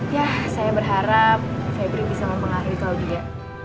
ya saya berharap febri bisa mempengaruhi kalau dia